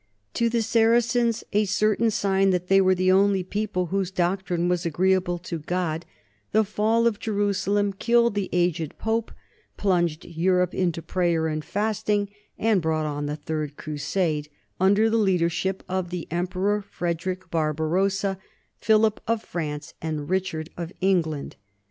To the Saracens a certain sign that they were the only people "whose doctrine was agreeable to God," the fall of Jerusalem killed the aged Pope, plunged Europe into prayer and fasting, and brought on the Third Crusade, under the leadership of the emperor Frederick Barba rossa, Philip of France, and Richard of England.